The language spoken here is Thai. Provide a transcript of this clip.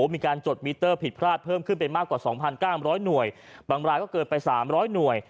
มีการจดมิเตอร์ผิดพลาดเพิ่มขึ้นไปมากกว่า๒๙๐๐หน่วยบางรายก็เกินไป๓๐๐หน่วย